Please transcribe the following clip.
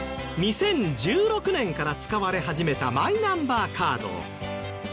２０１６年から使われ始めたマイナンバーカード。